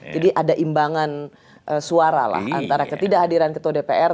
jadi ada imbangan suara antara ketidakhadiran ketua dpr